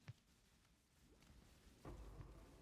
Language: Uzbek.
Azizlar!